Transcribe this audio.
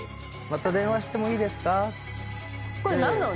また電話してもいいですか？」